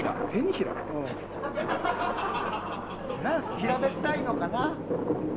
平べったいのかな。